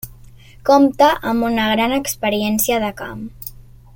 Compta amb una gran experiència de camp.